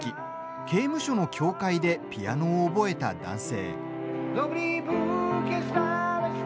刑務所の教会でピアノを覚えた男性。